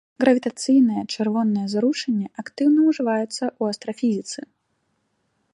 Гравітацыйнае чырвонае зрушэнне актыўна ўжываецца ў астрафізіцы.